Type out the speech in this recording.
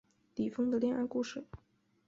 李锋的恋爱故事